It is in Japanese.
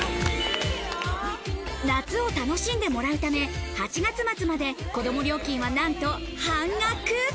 夏を楽しんでもらうため、８月末まで子供料金は何と半額。